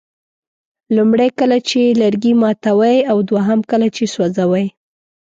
لومړی کله چې لرګي ماتوئ او دوهم کله چې سوځوئ.